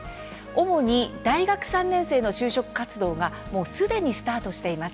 主に大学３年生の就職活動がもうすでにスタートしています。